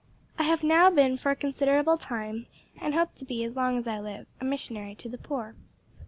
I have now been for a considerable time, and hope to be as long as I live, a missionary to the poor."